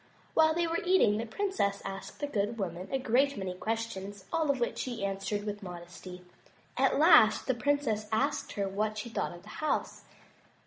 While they were eating the princess asked the good woman a great many questions, all of which she answered with modesty. At last the princess asked her what she thought of the house.